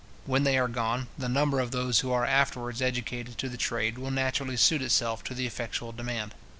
When they are gone, the number of those who are afterwards educated to the trade will naturally suit itself to the effectual demand.